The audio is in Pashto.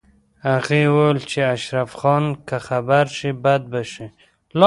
هغې وویل چې اشرف خان که خبر شي بد به شي